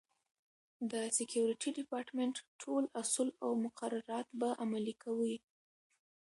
د سکورټي ډیپارټمنټ ټول اصول او مقررات به عملي کوي.